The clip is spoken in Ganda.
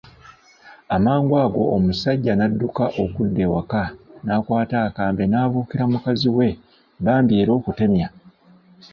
Amangu ago omusaijja n'adduka okudda ewaka n'akwata akambe n'abuukira mukazi we bamib era okutemya